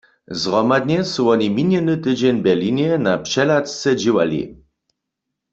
Zhromadnje su woni minjeny tydźeń w Berlinje na přehladce dźěłali.